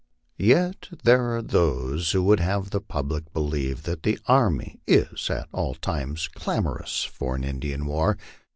Yet there are those who would have the public be lieve that the army is at all times clamorous for an Indian war.